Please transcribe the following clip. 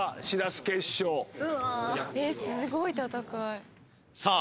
すごい戦いさあ